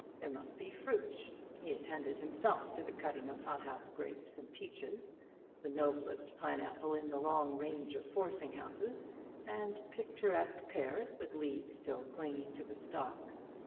There must be fruit; he attended himself to the cutting of hothouse grapes and peaches, the noblest pine apple in the long range of forcing houses, and picturesque pears with leaves still clinging to the stalk.